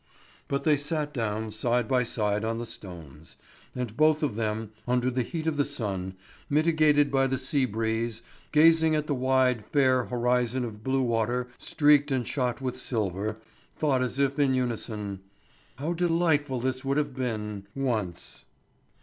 But they sat down side by side on the stones. And both of them, under the heat of the sun, mitigated by the sea breeze, gazing at the wide, fair horizon of blue water streaked and shot with silver, thought as if in unison: "How delightful this would have been—once."